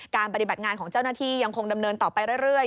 ปฏิบัติงานของเจ้าหน้าที่ยังคงดำเนินต่อไปเรื่อย